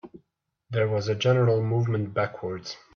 There was a general movement backwards.